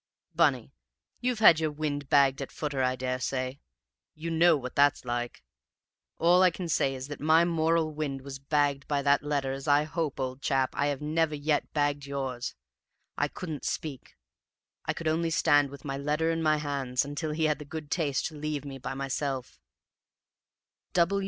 "Bunny, you've had your wind bagged at footer, I daresay; you know what that's like? All I can say is that my moral wind was bagged by that letter as I hope, old chap, I have never yet bagged yours. I couldn't speak. I could only stand with my own letter in my hands until he had the good taste to leave me by myself.